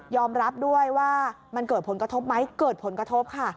รับด้วยว่ามันเกิดผลกระทบไหมเกิดผลกระทบค่ะ